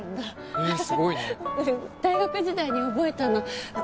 うん大学時代に覚えたの。